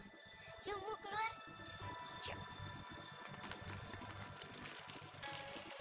beberapa hak kopen pemerintah kopen kakek kuasa